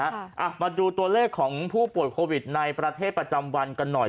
อ่ะมาดูตัวเลขของผู้ป่วยโควิดในประเทศประจำวันกันหน่อย